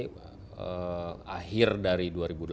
ini akhir dari dua ribu delapan belas